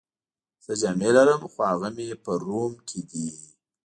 زه جامې لرم، خو هغه مې په روم کي دي.